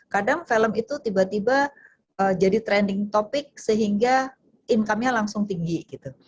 kadang film itu tiba tiba jadi trending topic sehingga income nya langsung tinggi gitu